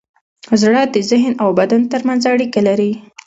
زړه د ذهن او بدن ترمنځ اړیکه لري.